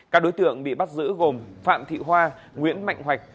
các đối tượng bị bắt giữ gồm phạm thị hoa nguyễn mạnh hoạch